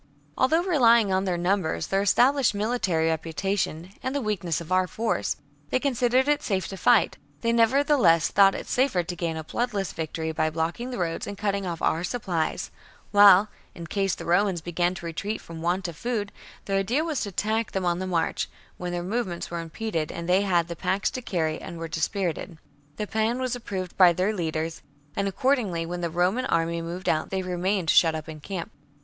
Although, relying on their numbers, their established military reputation, and the weakness of our force, they considered it safe to fight, they nevertheless thought it safer to gain a bloodless victory by blocking the roads and cutting off our supplies ; while, in case the Romans began to retreat from want of food, their idea was to attack them on the march, when their movements were impeded and they had their packs to carry and were dispirited. The plan was approved by their leaders ; and accordingly when the Roman army moved out they remained shut up in camp.